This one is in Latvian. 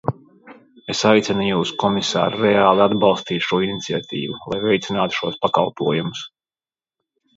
Es aicinu jūs, komisār, reāli atbalstīt šo iniciatīvu, lai veicinātu šos pakalpojumus.